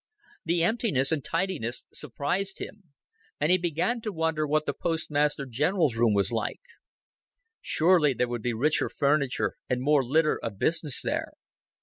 The emptiness and tidiness surprised him, and he began to wonder what the Postmaster General's room was like. Surely there would be richer furniture and more litter of business there.